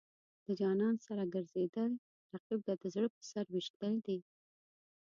د جانان سره ګرځېدل، رقیب ته د زړه په سر ویشتل دي.